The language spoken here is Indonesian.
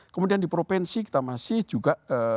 kemudian di provinsi kita masih juga